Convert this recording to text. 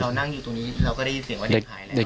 นั่งอยู่ตรงนี้เราก็ได้ยินเสียงว่าเด็กหายแล้ว